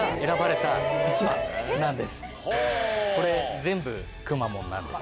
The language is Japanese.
これ全部くまモンなんです。